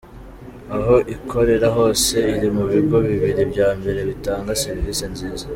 Aho ikorera hose iri mu bigo bibiri bya mbere bitanga serivisi nziza.